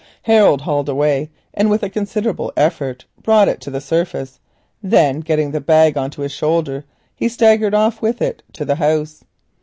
Harold hauled away, and with a considerable effort brought it to the surface. Then, lifting the bag on his shoulder he staggered with it to the house.